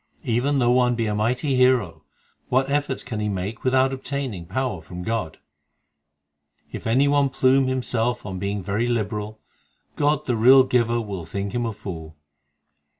Even though one be a mighty hero, What efforts can he make without obtaining power from God? If any one plume himself on being very liberal, God the real Giver will think him a fool.